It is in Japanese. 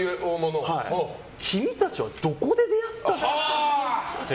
君たちはどこで出会ったんだと。